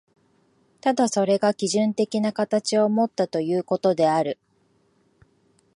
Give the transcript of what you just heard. ただそれが基準的な形をもったということである。